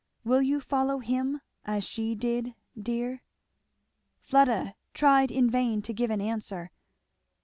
Will you follow him as she did, dear?" Fleda tried in vain to give an answer.